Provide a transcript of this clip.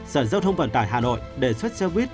sở giao thông vận tải hà nội đề xuất xe buýt